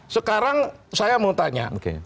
sekarang saya mau tanya